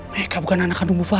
meka bukan anak kandung ibu farah